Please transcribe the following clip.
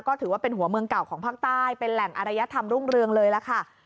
ก็ถือว่าเป็นหัวเมืองเก่าของภาคใต้เป็นแหล่งอรยธรรมรุ่งเรืองเลยล่ะค่ะ